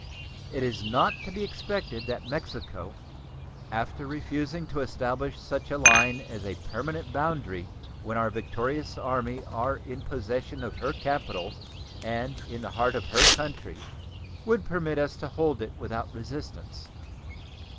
It is not to be expected that Mexico, after refusing to establish such a line as a permanent boundary when our victorious Army are in possession of her capital and in the heart of her country, would permit us to hold it without resistance.